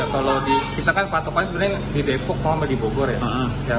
kalau kita kan patokan sebenarnya di depok sama di bogor ya